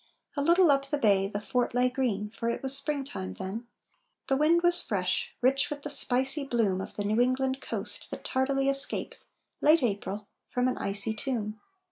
A little up the Bay The Fort lay green, for it was springtime then; The wind was fresh, rich with the spicy bloom Of the New England coast that tardily Escapes, late April, from an icy tomb.